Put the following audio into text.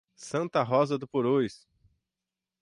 Santa Rosa do Purus